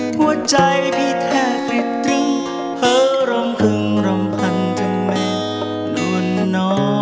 หัวใจพี่แทบติดตรึงเผลอรำหึงรำพันถึงแม่นวลนอ